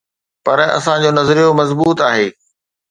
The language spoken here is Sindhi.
پر اسان جو نظريو مضبوط آهي.